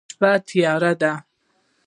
شپه تیاره ده